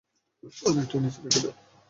ওইটার নিচে রেখে দে।